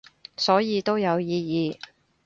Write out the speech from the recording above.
所以都有意義